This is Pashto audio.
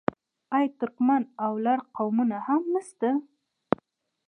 آیا ترکمن او لر قومونه هم نشته؟